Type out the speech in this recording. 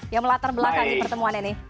yang melatar belakang di pertemuan ini